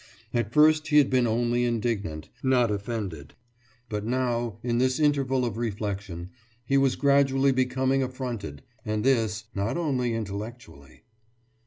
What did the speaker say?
At first he had been only indignant, not offended; but now, in this interval of reflection, he was gradually becoming affronted, and this not only intellectually.